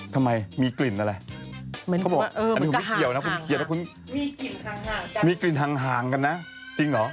ทำไมมีกลิ่นอะไรมีกลิ่นทางห่างกันนะมีกลิ่นทางห่างกันนะจริงหรอ